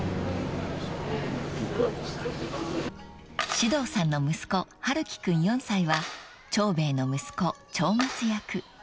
［獅童さんの息子陽喜君４歳は長兵衛の息子長松役］